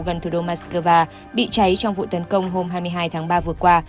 gần thủ đô moscow bị cháy trong vụ tấn công hôm hai mươi hai tháng ba vừa qua